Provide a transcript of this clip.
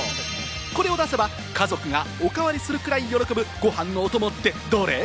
これを出せば家族がおかわりするくらい喜ぶご飯のお供ってどれ？